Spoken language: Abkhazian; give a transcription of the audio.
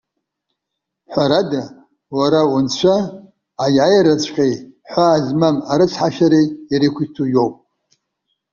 Ҳәарада, уара унцәа, аиааираҵәҟьеи ҳәаа змам арыцҳашьареи ирқәиҭу иоуп.